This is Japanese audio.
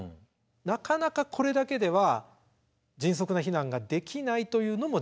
なかなかこれだけでは迅速な避難ができないというのも事実なんです。